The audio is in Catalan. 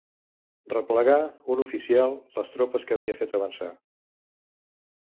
Replegar, un oficial, les tropes que havia fet avançar.